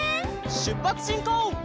しゅっぱつしんこう！